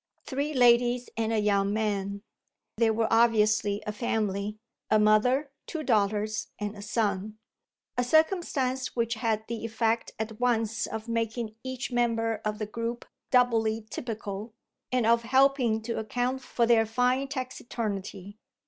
Three ladies and a young man, they were obviously a family a mother, two daughters and a son; a circumstance which had the effect at once of making each member of the group doubly typical and of helping to account for their fine taciturnity.